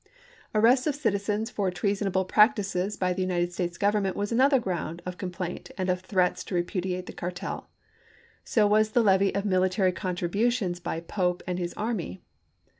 Arrests of 452 ABRAHAM LINCOLN chap. xvi. citizens for treasonable practices by the United States Government was another ground of com plaint and of threats to repudiate the cartel; so was the levy of military contributions by Pope and his army.